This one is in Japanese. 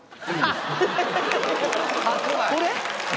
これ？